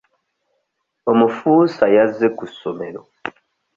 Omufuusa yazze ku ssomero.